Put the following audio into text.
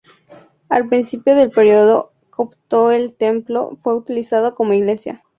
Al principio del período copto el templo fue utilizado como iglesia.